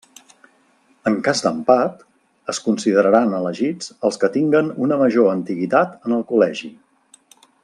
En cas d'empat, es consideraran elegits els que tinguen una major antiguitat en el Col·legi.